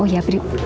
oh ya pri